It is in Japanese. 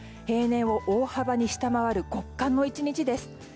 平年を大幅に下回る極寒の１日です。